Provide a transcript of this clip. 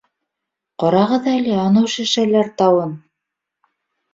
— Ҡарағыҙ әле, анау шешәләр тауын!